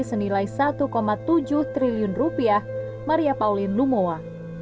senilai satu tujuh triliun rupiah maria pauline lumowa